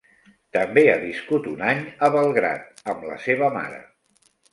També ha viscut un any a Belgrad amb la seva mare.